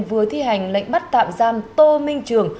vừa thi hành lệnh bắt tạm giam tô minh trường